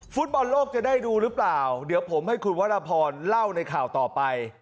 ฟุตบอลโลกจะได้ดูหรือเปล่าเดี๋ยวผมให้คุณวรพรเล่าในข่าวต่อไป